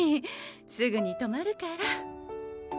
すぐに止まるから。